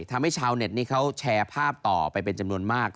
ทำให้ชาวเน็ตนี้เขาแชร์ภาพต่อไปเป็นจำนวนมาก